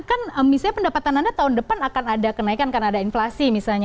kan misalnya pendapatan anda tahun depan akan ada kenaikan karena ada inflasi misalnya